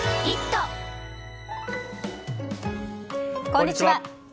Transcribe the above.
こんにちは。